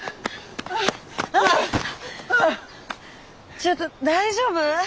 ちょっと大丈夫？